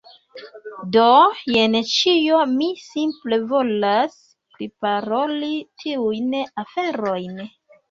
Do, jen ĉio, mi simple volas priparoli tiujn aferojn.